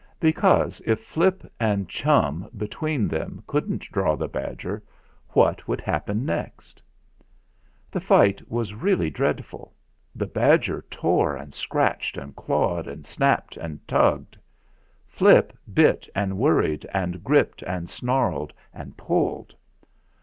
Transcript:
Because, if Flip and Chum between them couldn't draw the badger, what would happen next ? The fight was really dreadful. The badger tore and scratched and clawed and snapped and tugged; Flip bit and worried and gripped THE FIGHT 309 and snarled and pulled.